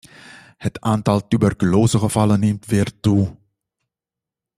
Het aantal tuberculosegevallen neemt weer toe.